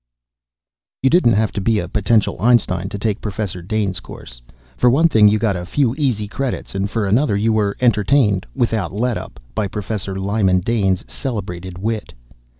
You didn't have to be a potential Einstein to take Professor Dane's course. For one thing you got a few easy credits and for another you were entertained without letup by Professor Lyman Dane's celebrated wit.